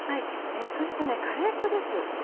そしてカレー粉です。